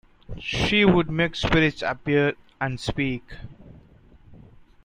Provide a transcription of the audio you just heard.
She would make spirits appear and speak!